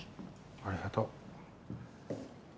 ありがとう。